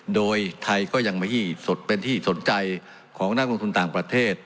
โดยไทยก็ยังไม่เป็นที่สนใจของนักลงทุนต่างประเทศ